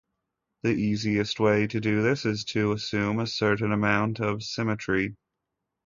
The easiest way to do this is to assume a certain amount of symmetry.